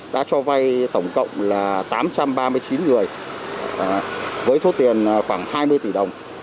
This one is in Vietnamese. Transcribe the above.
đã cho vay tổng cộng là tám trăm ba mươi chín người với số tiền khoảng hai mươi tỷ đồng